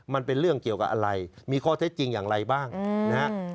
มันเป็นเรื่องเกี่ยวกับอะไรมีข้อเท็จจริงอย่างไรบ้างนะฮะ